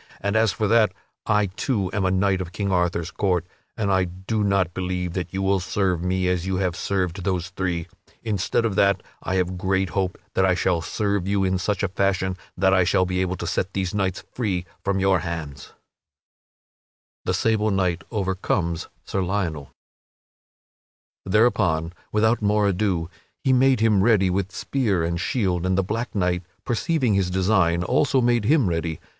And as for that, I too am a knight of King Arthur's court, but I do not believe that you will serve me as you have served those three. Instead of that, I have great hope that I shall serve you in such a fashion that I shall be able to set these knights free from your hands." [Sidenote: The sable knight overcomes Sir Lionel] Thereupon, without more ado, he made him ready with spear and shield, and the black knight, perceiving his design, also made him ready.